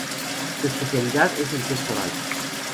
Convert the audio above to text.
Su especialidad es el sexo oral.